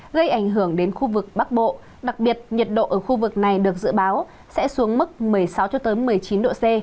gây ảnh hưởng đến khu vực bắc bộ đặc biệt nhiệt độ ở khu vực này được dự báo sẽ xuống mức một mươi sáu một mươi chín độ c